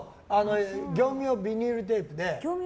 業務用ビニールテープで。